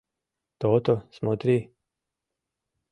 То-то, смотри!